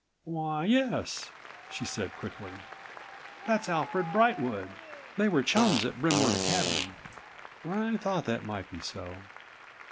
"Why, yes," she said quickly, "that's Alfred Brightwood. They were chums in Brimward Academy." "I thought that might be so."